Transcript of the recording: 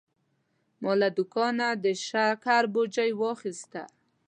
ما له دوکانه د شکر بوجي واخیسته.